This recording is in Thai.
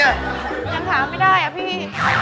ยังถามไม่ได้อะพี่